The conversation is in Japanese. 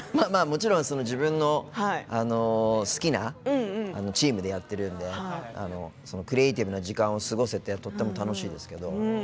もちろん、自分の好きなチームでやってるのでクリエーティブな時間を過ごせてとっても楽しいですけど。